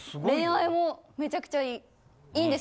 恋愛もめちゃくちゃいい。